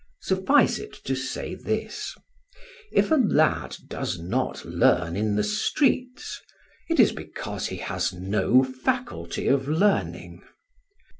Suffice it to say this: if a lad does not learn in the streets, it is because he has no faculty of learning.